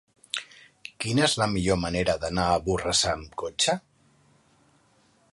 Quina és la millor manera d'anar a Borrassà amb cotxe?